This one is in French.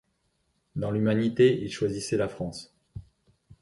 Dans l'humanité il choisissait la France.